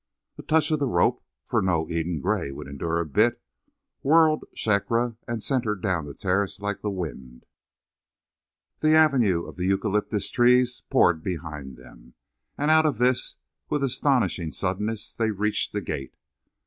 A touch of the rope for no Eden Gray would endure a bit whirled Shakra and sent her down the terraces like the wind. The avenue of the eucalyptus trees poured behind them, and out of this, with astonishing suddenness, they reached the gate.